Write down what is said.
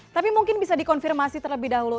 tapi mungkin bisa dikonfirmasi terlebih dahulu